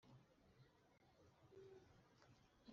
ishuri ryacu kuva ryashingwa,